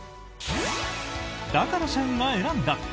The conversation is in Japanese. だから社員が選んだ！